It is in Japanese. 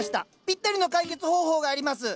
ぴったりの解決方法があります。